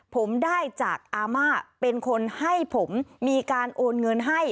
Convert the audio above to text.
ผมได้จากอาม่าเป็นคนให้ผมมีการโอนเงินให้